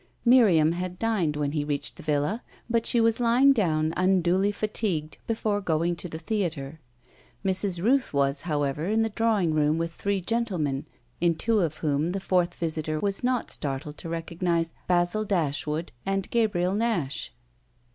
Miriam had dined when he reached the villa, but she was lying down, unduly fatigued, before going to the theatre. Mrs. Rooth was, however, in the drawing room with three gentlemen, in two of whom the fourth visitor was not startled to recognise Basil Dashwood and Gabriel Nash.